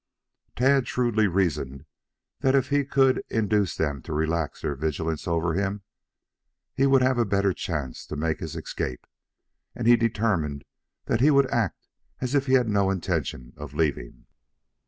Tad shrewdly reasoned that if he could induce them to relax their vigilance over him, he would have a better chance to make his escape, and he determined that he would act as if he had no intention of leaving.